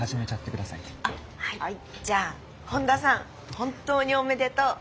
本当におめでとう。